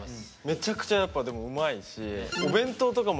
めちゃくちゃやっぱでもうまいしえっ